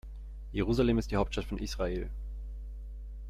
Jerusalem ist die Hauptstadt von Israel.